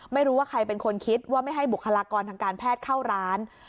ไม่รู้ว่าใครเป็นคนคิดว่าไม่ให้บุคลากรทางการแพทย์เข้าร้าน